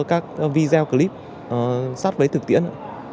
các video clip sát với thực tiễn